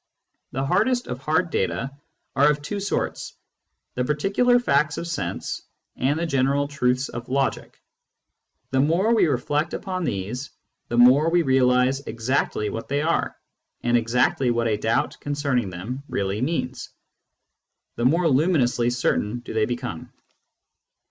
The hardest of hard data are of two sorts : the particular facts of sense, and the general truths of Digitized by Google THE EXTERNAL WORLD 71 logic The more we reflect upon these, the more we realise exactly what they are, and exactly what a doubt concerning them really means, the more luminously certain do they become.